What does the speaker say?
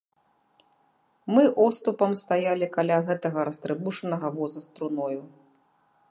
Мы оступам стаялі каля гэтага растрыбушанага воза з труною.